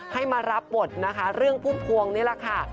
ให้มารับบทนะคะเรื่องพุ่มพวงนี่แหละค่ะ